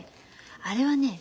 あれはね